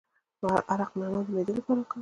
عرق نعنا د معدې لپاره دی.